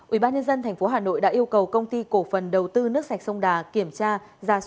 ubnd tp hà nội đã yêu cầu công ty cổ phần đầu tư nước sạch sông đà kiểm tra